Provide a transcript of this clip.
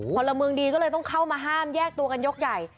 พลเมืองดีก็เลยต้องเข้ามาห้ามแยกตัวกันยกใหญ่